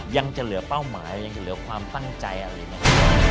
ยังจะเหลือเป้าหมายยังเหลือความตั้งใจอะไรไหม